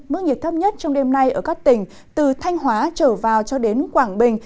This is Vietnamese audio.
mức nhiệt thấp nhất trong đêm nay ở các tỉnh từ thanh hóa trở vào cho đến quảng bình